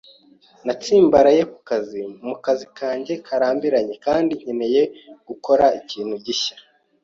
Natsimbaraye ku kazi mu kazi kanjye karambiranye kandi nkeneye gukora ikintu gishya.